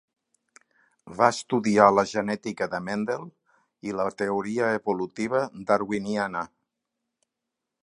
Va estudiar la genètica de Mendel i la teoria evolutiva darwiniana.